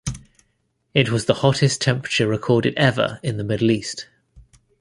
It was the hottest temperature recorded ever in the Middle East.